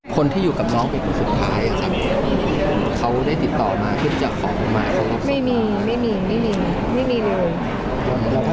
แกจะออกมาว่ากลับมาหรือเปล่า